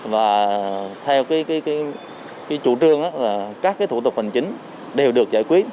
và theo cái chủ trương là các thủ tục hành chính đều được giải quyết